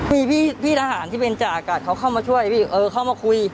มีพี่ทหารที่เป็นจ่าอากาศเขาเข้ามาช่วยพี่เออเข้ามาคุย